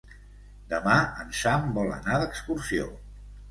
Demà en Sam vol anar d'excursió.